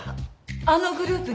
あのグループに？